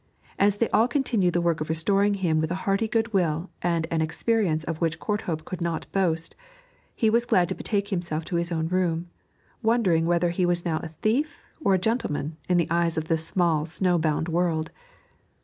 As they all continued the work of restoring him with a hearty goodwill and an experience of which Courthope could not boast, he was glad to betake himself to his own room, wondering whether he was now a thief or a gentleman in the eyes of this small snow bound world.